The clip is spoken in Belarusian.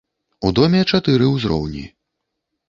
У доме чатыры ўзроўні.